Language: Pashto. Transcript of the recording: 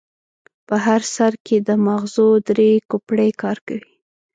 په هر سر کې د ماغزو درې کوپړۍ کار کوي.